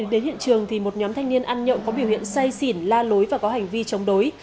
đến hiện trường một nhóm thanh niên ăn nhậu có biểu hiện say xỉn la lối và có hành vi chống đối